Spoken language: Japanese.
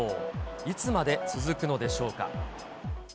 いつまで続くのでしょうか。